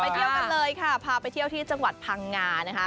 เที่ยวกันเลยค่ะพาไปเที่ยวที่จังหวัดพังงานะคะ